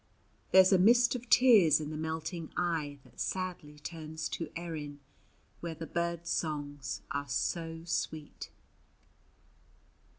There's a mist of tears in the melting eye that sadly turns to Erin, Where the birds' songs are so sweet.